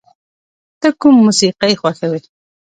ته کوم موسیقی خوښوې؟